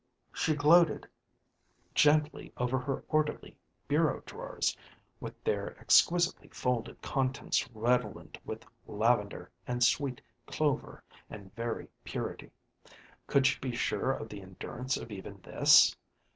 She gloated gently over her orderly bureau drawers, with their exquisitely folded contents redolent with lavender and sweet clover and very purity. Could she be sure of the endurance of even this?